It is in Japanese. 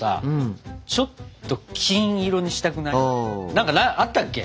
何かあったけ？